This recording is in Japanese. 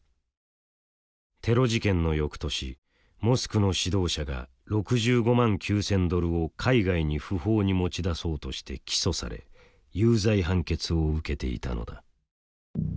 テロ事件の翌年モスクの指導者が６５万９，０００ドルを海外に不法に持ち出そうとして起訴され有罪判決を受けていたのだ。